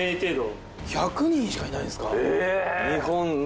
１００人しかいないんすか。